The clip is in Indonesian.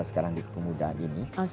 sekarang di kemudaan ini